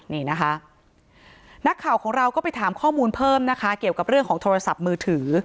นี่นะคะนักข่าวของเราก็ไปถามข้อมูลเพิ่มนะคะเกี่ยวกับเรื่องของโทรศัพท์มือถือ